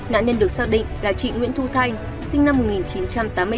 nạn nhân được xác định là chị nguyễn thu thành sinh năm một nghìn chín trăm tám mươi tám